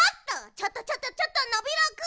ちょっとちょっとちょっとノビローくん！